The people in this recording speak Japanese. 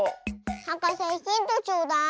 はかせヒントちょうだい。